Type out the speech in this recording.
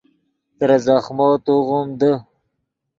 ترے زخمو توغیم دے